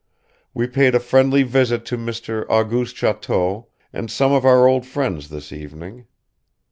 We payed a friendly visit to Mr. Auguste Choteau and some of our old friends this evening.